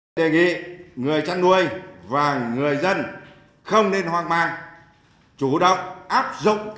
các hộ chăn nuôi nếu phát hiện lợn bệnh hoặc có dấu hiệu bị bệnh